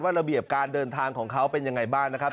ระเบียบการเดินทางของเขาเป็นยังไงบ้างนะครับ